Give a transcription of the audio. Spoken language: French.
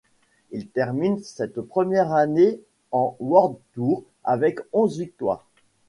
Il termine cette première année en World Tour avec onze victoires.